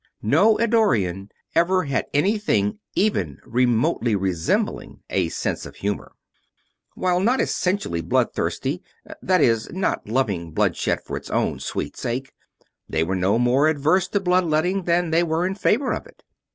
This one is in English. No Eddorian ever had anything even remotely resembling a sense of humor. While not essentially bloodthirsty that is, not loving bloodshed for its own sweet sake they were no more averse to blood letting than they were in favor of it.